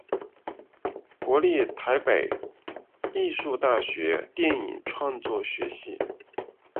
国立台北艺术大学电影创作学系